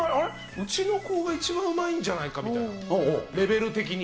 うちの子が一番うまいんじゃないかって、レベル的に。